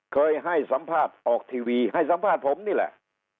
เคยให้สัมภาษณ์ออกทีวีให้สัมภาษณ์ผมนี่แหละ